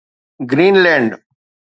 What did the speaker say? green land